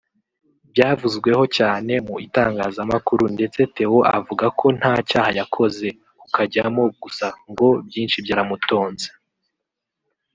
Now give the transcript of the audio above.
Byavuzweho cyane mu itangazamakuru ndetse Theo avuga ko nta cyaha yakoze kukajyamo gusa ngo byinshi byaramutonze